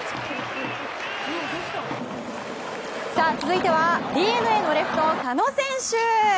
続いてはＤｅＮＡのレフト佐野選手。